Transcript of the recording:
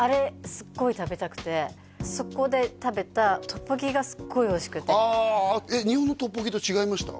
すっごい食べたくてそこで食べたトッポギがすっごいおいしくてああ日本のトッポギと違いました？